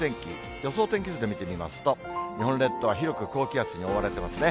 予想天気図で見てみますと、日本列島は広く高気圧に覆われてますね。